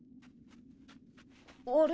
あれ？